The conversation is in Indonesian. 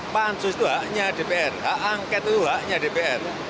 pansus itu haknya dpr hak angket itu haknya dpr